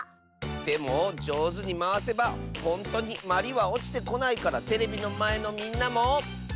でもじょうずにまわせばほんとにまりはおちてこないからテレビのまえのみんなも。